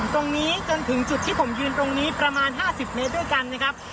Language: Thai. จนถึงจุดที่ผมยืนตรงนี้ประมาณ๕๐เมตรด้วยกันนะครับ